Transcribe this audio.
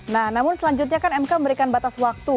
nah namun selanjutnya kan mk memberikan batas waktu